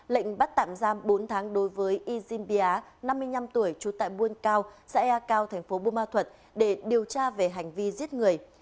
lệnh bắt tạm giam bốn tháng đối với yzin bia năm mươi năm tuổi trú tại buôn cao xã ea cao thành phố bù ma thuật để điều tra về hành vi giết người